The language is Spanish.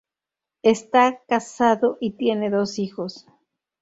Esta casado y tiene dos hijos.